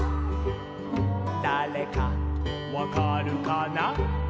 「だれかわかるかな？」